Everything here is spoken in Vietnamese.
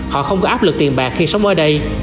họ không có áp lực tiền bạc khi sống ở đây